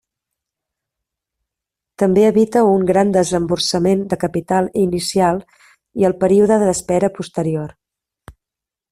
També evita un gran desemborsament de capital inicial i el període d'espera posterior.